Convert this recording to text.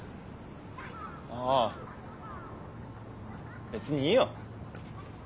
ああ別にいいよ。